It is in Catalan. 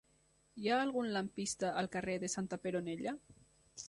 Hi ha algun lampista al carrer de Santa Peronella?